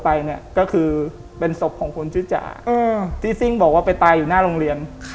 ที่ซึ่งบอกว่าไปตายอยู่หน้าโรงเรียน